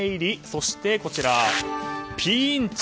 そして、ピーンチ！